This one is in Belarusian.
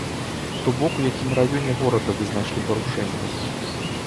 То бок у якім раёне горада вы знайшлі парушэнне.